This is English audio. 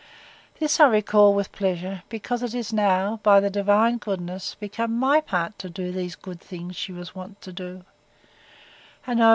This I recall with pleasure, because it is now, by the divine goodness, become my part to do those good things she was wont to do: And oh!